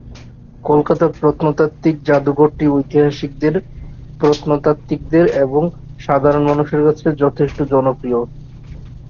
কলকাতার প্রত্নতাত্ত্বিক জাদুঘরটি ঐতিহাসিকদের, প্রত্নতাত্ত্বিকদের জন্য এবং সাধারণ মানুষের কাছে যথেষ্ট জনপ্রীয়।